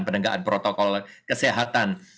penegakan protokol kesehatan